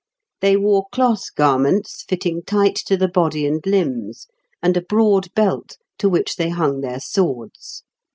They wore cloth garments, fitting tight to the body and limbs, and a broad belt, to which they hung their swords."